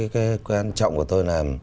cái quan trọng của tôi là